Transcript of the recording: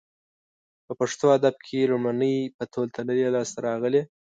په پښتو ادب کې لومړنۍ په تول تللې لاسته راغلې